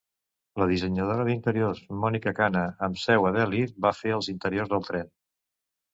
La dissenyadora d'interiors Monica Khanna, amb seu a Delhi, va fer els interiors del tren.